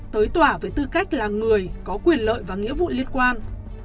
tới tòa với tư cách là người có quyền lợi và nghĩa vụ liên quan